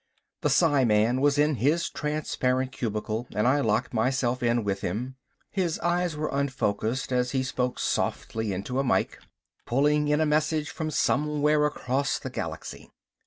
The psiman was in his transparent cubicle and I locked myself in with him. His eyes were unfocused as he spoke softly into a mike, pulling in a message from somewhere across the galaxy.